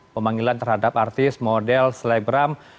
pemanggilan terhadap artis model selebgram